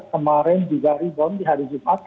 kemarin juga rebound di hari jumat